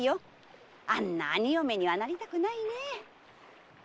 あんな兄嫁にはなりたくないねえ！